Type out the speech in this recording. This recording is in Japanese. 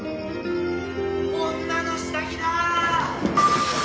・女の下着だ！